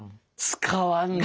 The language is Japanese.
使わんね。